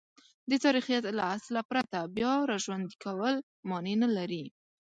د تاریخیت له اصله پرته بیاراژوندی کول مانع نه لري.